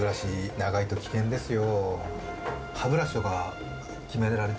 長いと危険ですよ